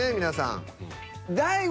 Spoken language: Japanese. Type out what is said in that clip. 皆さん。